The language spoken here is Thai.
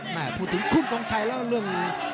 แต่มวยก็ตัวต่ำกว่าเงินหมื่น